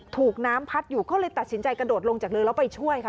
ถูกน้ำพัดอยู่ก็เลยตัดสินใจกระโดดลงจากเรือแล้วไปช่วยค่ะ